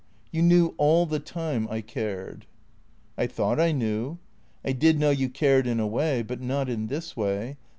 You knew all the time I cared." " I thought I knew. I did know you cared in a way. But not in this way.